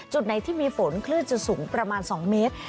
จุดไหนที่มีฝนคลื่นจะสูงประมาณ๒เมตร